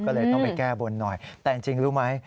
ก็เลยต้องไปแก้บนหน่อยแต่จริงรู้ไหม